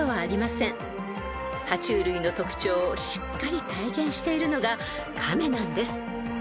［爬虫類の特徴をしっかり体現しているのがカメなんです］